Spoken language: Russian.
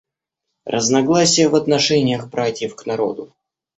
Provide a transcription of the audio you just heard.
Разногласие в отношениях братьев к народу.